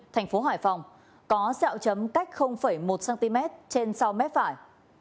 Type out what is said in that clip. thành phố hải phòng có xeo chấm cách một cm trên sau mép phải